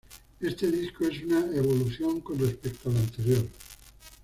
Este disco es una evolución con respecto al anterior.